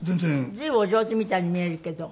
随分お上手みたいに見えるけど。